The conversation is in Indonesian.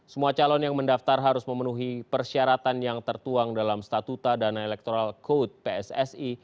semua calon yang mendaftar harus memenuhi persyaratan yang tertuang dalam statuta dana electoral code pssi